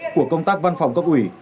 của công tác văn phòng cấp ủy